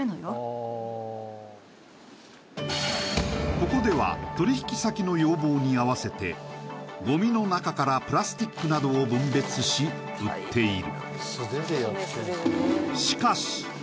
ここでは取引先の要望に合わせてごみの中からプラスチックなどを分別し、売っている。